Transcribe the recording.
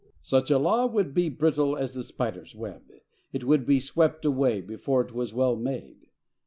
Such a law would be brittle as the spider's web; it would be swept away before it was well made.